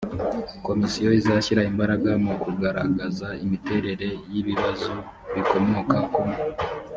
komisiyo izashyira imbaraga mu kugaragaza imiterere y ibibazo bikomoka ku